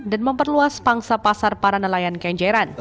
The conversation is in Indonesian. dan memperluas pangsa pasar para nelayan kenjiran